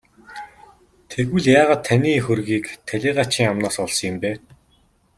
Тэгвэл яагаад таны хөрөгийг талийгаачийн амнаас олсон юм бэ?